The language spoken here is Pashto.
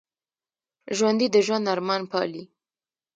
ژوندي د ژوند ارمان پالي